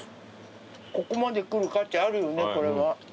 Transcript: ここまで来る価値あるよねこれは。